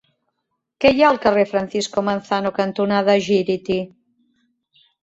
Què hi ha al carrer Francisco Manzano cantonada Gíriti?